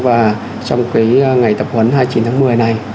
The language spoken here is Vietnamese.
và trong cái ngày tập huấn hai mươi chín tháng một mươi này